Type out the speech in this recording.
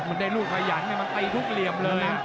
มันได้รู้พยานที่มันตีทุกเหลี่ยมเลย